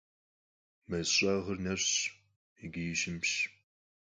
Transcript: Мэз щӀагъыр нэщӀщ икӀи щымщ.